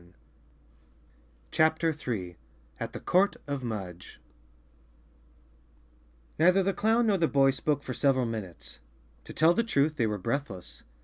35 CHAPTER 3 At the Court of Mudge N EITHER the clown nor the boy spoke for several minutes. To tell the truth, they were breathless.